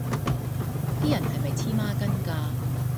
啲人係咪黐孖筋㗎